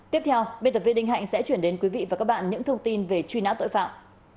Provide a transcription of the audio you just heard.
tiếp theo biên tập viên đinh hạnh sẽ chuyển đến quý vị và các bạn những thông tin về truy nã tội phạm